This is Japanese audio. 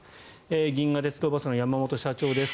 銀河鉄道バスの山本社長です。